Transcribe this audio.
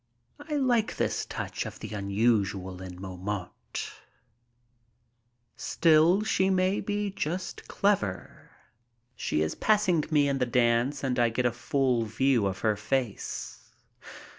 I like this touch of the unusual in Montmartre. Still she may be just clever. She is passing me in the dance and I get a full view of her face.